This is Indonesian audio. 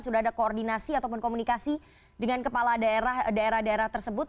sudah ada koordinasi ataupun komunikasi dengan kepala daerah daerah tersebut